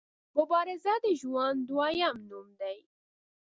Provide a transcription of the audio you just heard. مبارزه د ژوند دویم نوم دی.